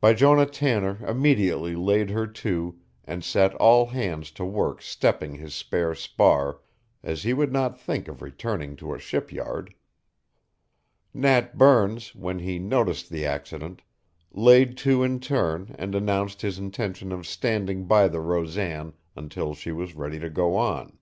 Bijonah Tanner immediately laid her to and set all hands to work stepping his spare spar, as he would not think of returning to a shipyard. Nat Burns, when he noticed the accident, laid to in turn and announced his intention of standing by the Rosan until she was ready to go on.